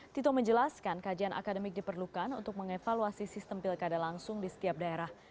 tito menjelaskan kajian akademik diperlukan untuk mengevaluasi sistem pilkada langsung di setiap daerah